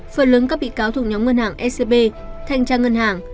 phần lớn các bị cáo thuộc nhóm ngân hàng scb thanh tra ngân hàng